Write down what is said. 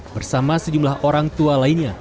bersama sejumlah orang tua lainnya